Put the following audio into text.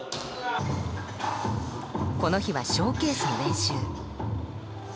この日はショーケースの練習。